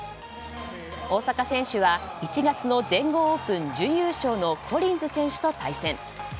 大坂選手は１月の全豪オープン準優勝のコリンズ選手と対戦。